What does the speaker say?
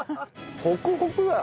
ホクホクだよ。